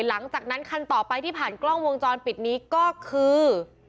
หลังจากนั้นคันต่อไปที่ผ่านกล้องวงจรปิดนี้ก็คือ